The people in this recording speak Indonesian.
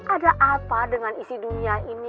ada apa dengan isi dunia ini